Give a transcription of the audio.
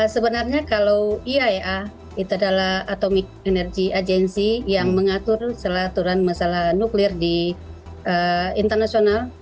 sebenarnya kalau ia itu adalah atomic energy agency yang mengatur selaturan masalah nuklir di internasional